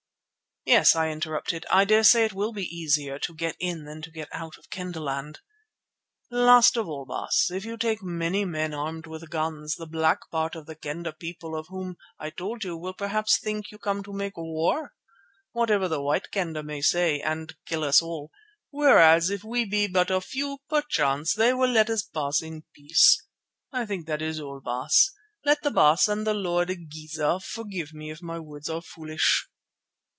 "Yes," I interrupted, "I dare say it will be easier to get in than to get out of Kendahland." "Last of all, Baas, if you take many men armed with guns, the black part of the Kendah people of whom I told you will perhaps think you come to make war, whatever the white Kendah may say, and kill us all, whereas if we be but a few perchance they will let us pass in peace. I think that is all, Baas. Let the Baas and the Lord Igeza forgive me if my words are foolish."